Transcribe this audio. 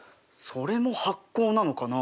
それも発酵なのかな？